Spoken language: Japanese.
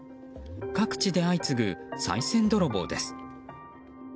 各地で相次ぐ、さい銭泥棒です。